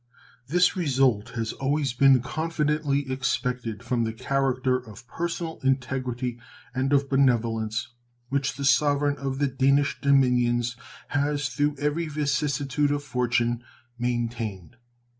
This result has always been confidently expected, from the character of personal integrity and of benevolence which the Sovereign of the Danish dominions has through every vicissitude of fortune maintained.